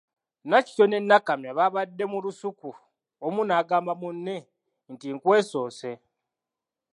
Nakityo ne Nakamya baabadde mu lusuku omu n'agamba munne nti ‘nkwesoose'.